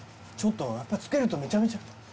ちょっとやっぱつけるとめちゃめちゃ。